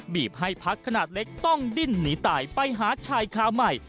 บีบให้พักขนาดเล็กต้องดิ้นหนีตายไปหาชายคาใหม่